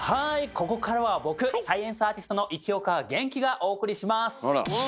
ここからは僕サイエンスアーティストの市岡元気がお送りします！